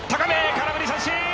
空振り三振！